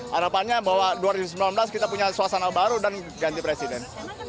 harapannya bahwa dua ribu sembilan belas kita punya suasana baru dan ganti presiden